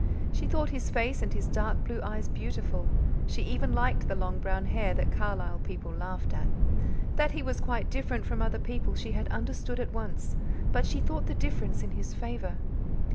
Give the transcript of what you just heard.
She thought his face and his dark blue eyes beautiful; she even liked the long brown hair that Carlisle people laughed at. That he was quite different from other people she had understood at once, but she thought the difference in his favour.